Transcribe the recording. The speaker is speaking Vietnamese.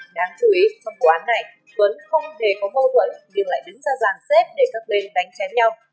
đáng chú ý trong vụ án này tuấn không hề có mâu thuẫn nhưng lại đứng ra giàn xếp để các bên đánh chém nhau